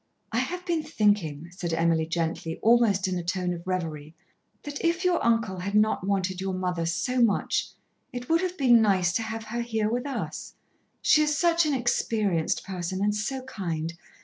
"I have been thinking," said Emily gently, almost in a tone of reverie, "that if your uncle had not wanted your mother so much it would have been nice to have her here with us. She is such an experienced person, and so kind.